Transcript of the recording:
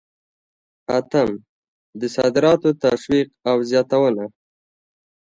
اتم: د صادراتو تشویق او زیاتونه.